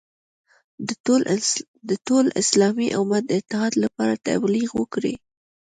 د ټول اسلامي امت د اتحاد لپاره تبلیغ وکړي.